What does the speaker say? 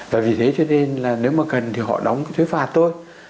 và vì thế cho nên là nếu mà cần thì họ đóng cái thuế phạt thôi